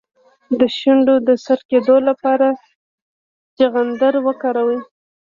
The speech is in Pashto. د شونډو د سره کیدو لپاره چغندر وکاروئ